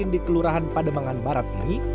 di kelurahan pademangan barat ini